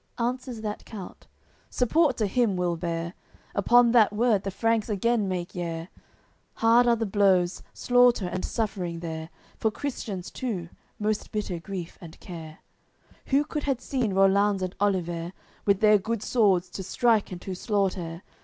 Answers that count: "Support to him we'll bear!" Upon that word the Franks again make yare; Hard are the blows, slaughter and suffering there, For Christians too, most bitter grief and care. Who could had seen Rollanz and Oliver With their good swords to strike and to slaughter!